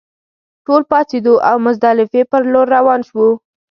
ټول پاڅېدو او مزدلفې پر لور روان شوو.